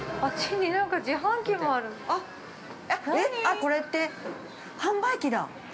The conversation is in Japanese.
◆これって販売機だ。